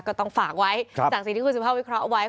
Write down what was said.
ก็ต้องฝากไว้จากสิ่งที่คุณสุภาพวิเคราะห์ไว้